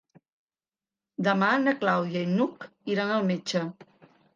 Demà na Clàudia i n'Hug iran al metge.